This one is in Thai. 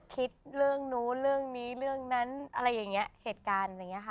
คิดเรื่องนู้นเรื่องนี้เรื่องนั้นอะไรอย่างนี้เหตุการณ์อะไรอย่างนี้ค่ะ